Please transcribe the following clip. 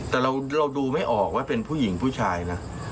แต่เราดูไม่ออกว่าเป็นผู้หญิงผู้ชายนะ